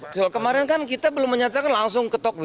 kalau kemarin kan kita belum menyatakan langsung ketok